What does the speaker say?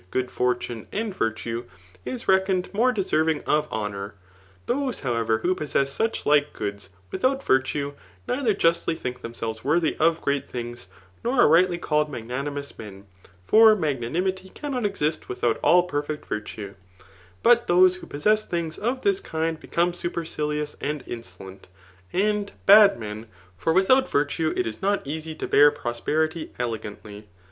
good £ntune and virtue,] is reckoned more deserving of ho Bour. Those, however, who possess such*like goods wkhoiit virtue, neither justly think themselves worthy of great things, nor are rightly oiUed magaantmous men i for magnanimity cannot exist withoiit all perfect virtue* But those who possess things of this kind become suptr* ciliotts and insolent, and bad men ; for without virtue^ H^is not easy to bear prosperity elegantly.